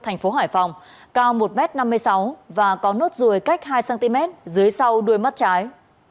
thành phố hải phòng cao một m năm mươi sáu và có nốt ruồi cách hai cm dưới sau đuôi mắt trái